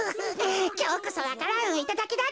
きょうこそわか蘭をいただきだってか。